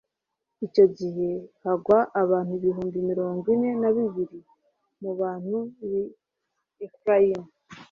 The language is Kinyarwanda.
icyo gihe hagwa abantu ibihumbi mirongo ine na bibiri mu bantu b'i efurayimu